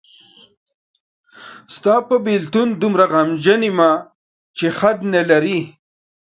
ستاپه بیلتون دومره غمجن یمه چی حد نلری.